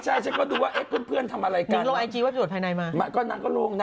ฉันก็ดูนิดนึง